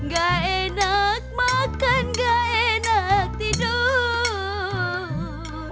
gak enak makan gak enak tidur